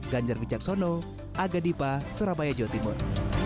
ganjar bijak sono agar dipah surabaya jawa timur